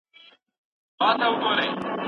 ښایي کتابتون او میز څېړنه ورته پایلي ولري.